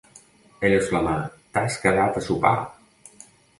Ell exclamà: "T'has quedat a sopar!"